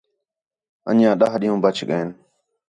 انڄیاں ݙاہ ݙِین٘ہوں بچ ڳئین